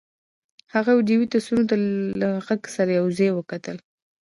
هغه ویډیويي تصویرونه له غږ سره یو ځای وکتل